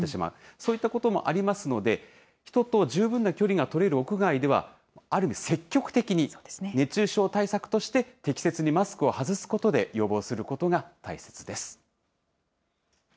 そういったこともありますので、人と十分な距離が取れる屋外では、ある意味、積極的に、熱中症対策として適切にマスクを外すことで予防することが大切です。